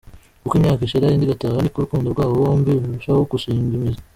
Uko imyaka ishira indi igataha, niko urukundo rw’aba bombi rurushaho gushing imizi .